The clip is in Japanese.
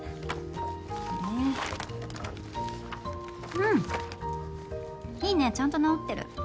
うんいいねちゃんと直ってる。